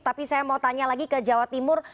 tapi saya mau tanya lagi ke jawa timur